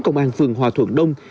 công an phường hòa thuận đông